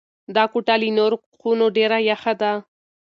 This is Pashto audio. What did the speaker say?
دا کوټه له نورو خونو ډېره یخه ده.